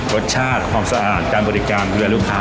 รสชาติความสะอาดการบริการเพื่อลูกค้า